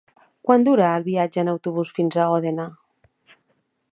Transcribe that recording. Quant dura el viatge en autobús fins a Òdena?